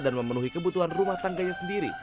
dan memenuhi kebutuhan rumah tangganya sendiri